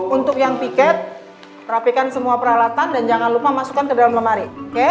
untuk yang tiket rapikan semua peralatan dan jangan lupa masukkan ke dalam lemari